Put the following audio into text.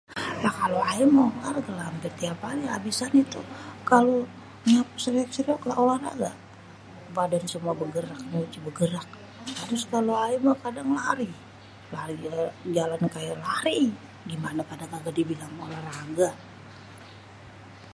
lah kalo ayèmèh hampir tiap ari lah abissannyè tuh kalu siap-siap lah olahraga badan begerak nyuci bègerak trus kalo ayè mèh kadang lari lah ayè jalan kaya lari gimanè pada kaga dibilang olahraga